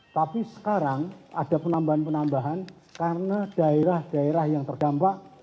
tapi sekarang ada penambahan penambahan karena daerah daerah yang terdampak